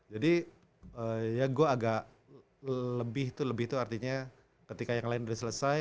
jadi ya gue agak lebih tuh artinya ketika yang lain udah selesai